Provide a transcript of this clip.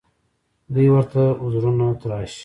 دوی ورته عذرونه تراشي